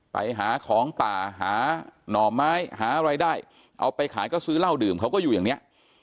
ไปหาของป่าหาหน่อไม้หาอะไรได้เอาไปขายก็ซื้อเหล้าดื่มเขาก็อยู่อย่างนี้